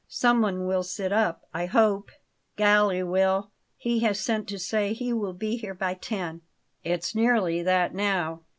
Someone will sit up, I hope?" "Galli will; he has sent to say he will be here by ten." "It's nearly that now.